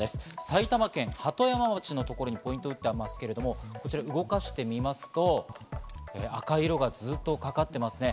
埼玉県鳩山町のところにポイントを置いていますけれども、動かしてみますと赤い色がずっとかかっていますね。